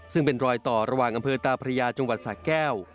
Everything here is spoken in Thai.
ซึ่งเป็นรอยต่อระหว่างอำเภอตาพระยาจังหวัดสะแก้ว